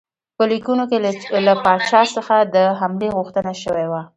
په لیکونو کې له پاچا څخه د حملې غوښتنه شوې وه.